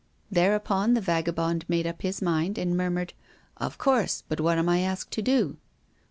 Thereupon the vagabond made up his mind, and murmured: "Of course, but what am I asked to do?"